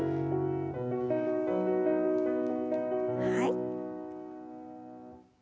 はい。